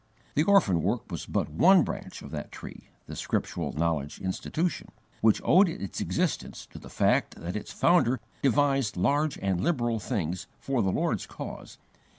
The orphan work was but one branch of that tree the Scriptural Knowledge Institution which owed its existence to the fact that its founder devised large and liberal things for the Lord's cause.